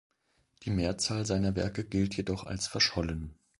Die Mehrzahl seiner Werke gilt jedoch als verschollen.